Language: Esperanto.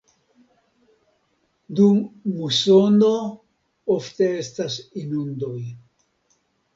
Dum musono ofte estas inundoj.